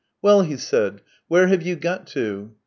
" Well," he said; " where have you got to